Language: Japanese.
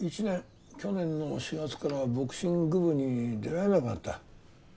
去年の４月からはボクシング部に出られなくなった。